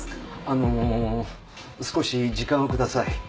あの少し時間を下さい。